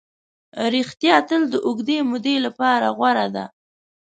ریښتیا تل د اوږدې مودې لپاره غوره ده.